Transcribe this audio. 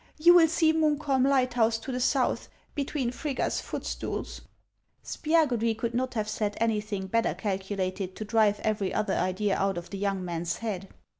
You will see Munkholm light house to the south, between Frigga's Footstools." Spiagudry could not have said anything better calcu lated to drive every other idea out of the young man's 246 HANS OF ICELAND. head.